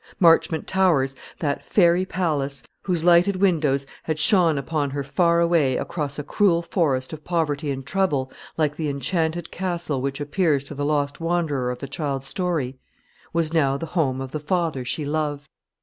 Marchmont Towers, that fairy palace, whose lighted windows had shone upon her far away across a cruel forest of poverty and trouble, like the enchanted castle which appears to the lost wanderer of the child's story, was now the home of the father she loved.